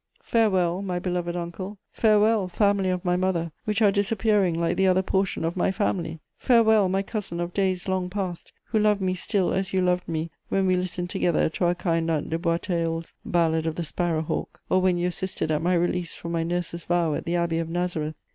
Farewell, my beloved uncle! Farewell, family of my mother, which are disappearing like the other portion of my family! Farewell, my cousin of days long past, who love me still as you loved me when we listened together to our kind aunt de Boistelleul's ballad of the Sparrow hawk, or when you assisted at my release from my nurse's vow at the Abbey of Nazareth!